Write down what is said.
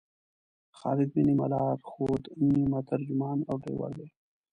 خالد مې نیمه لارښود، نیمه ترجمان او ډریور دی.